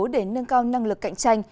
để nâng cao năng lực cạnh tranh